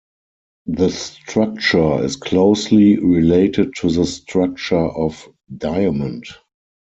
The structure is closely related to the structure of diamond.